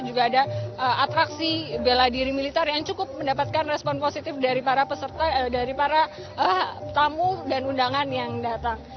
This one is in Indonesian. juga ada atraksi bela diri militer yang cukup mendapatkan respon positif dari para peserta dari para tamu dan undangan yang datang